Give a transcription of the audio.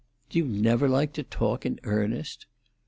"Do you never like to talk in earnest?"